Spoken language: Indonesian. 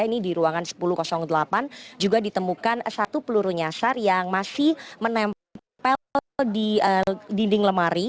ini di ruangan sepuluh delapan juga ditemukan satu peluru nyasar yang masih menempel di dinding lemari